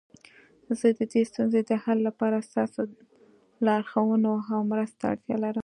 زه د دې ستونزې د حل لپاره ستاسو لارښوونو او مرستي ته اړتیا لرم